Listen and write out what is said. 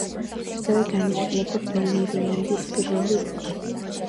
ასევე განიხილება ბელერიანდის პირველი რუკა.